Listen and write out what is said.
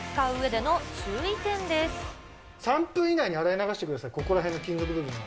ここで、３分以内に洗い流してください、ここら辺の金属部分は。